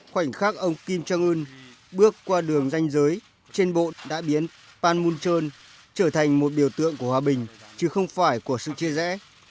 khoảnh khắc ông kim jong un bước qua đường danh giới trên bộn đã biến panmuncheon trở thành một biểu tượng của hòa bình chứ không phải của sự chia rẽ